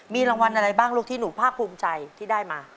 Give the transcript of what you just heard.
มีรางวัลอะไรบ้างลูกที่หนูภาคภูมิใจที่ได้มา